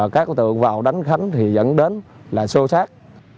các đối tượng vào đánh khánh thì dẫn đến là sô sát